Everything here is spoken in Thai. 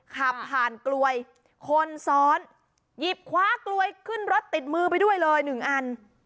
ขับผ่านกลวยคนซ้อนหยิบคว้ากลวยขึ้นรถติดมือไปด้วยเลยหนึ่งอัน